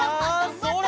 それ！